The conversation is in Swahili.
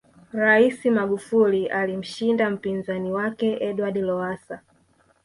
raisi magufuli alimshinda mpinzani wake edward lowasa